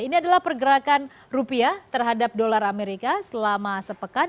ini adalah pergerakan rupiah terhadap dolar amerika selama sepekan